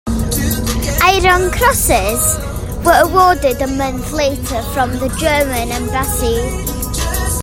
Iron Crosses were awarded a month later from the German embassy.